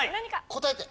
答えて。